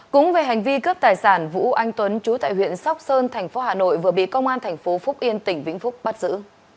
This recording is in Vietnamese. cũng về hành vi cướp tài sản vũ anh tuấn chú tại huyện sóc sơn thành phố hà nội vừa bị công an thành phố phúc yên tỉnh vĩnh phúc bắt giữ